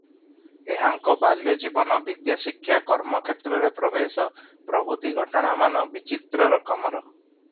ଏହାଙ୍କ ବାଲ୍ୟଜୀବନ, ବିଦ୍ୟାଶିକ୍ଷା, କର୍ମକ୍ଷେତ୍ରରେ ପ୍ରବେଶ ପ୍ରଭୁତି ଘଟଣାମାନ ବିଚିତ୍ର ରକମର ।